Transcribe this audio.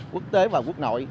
quốc tế và quốc nội